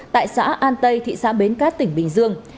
tại xã an tây thị xã bến cát tỉnh bình dương